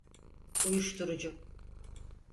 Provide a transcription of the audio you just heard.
Uyuşturucu…